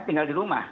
tinggal di rumah